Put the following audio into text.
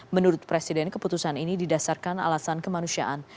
menurut presiden keputusan ini didasarkan alasan kemanusiaan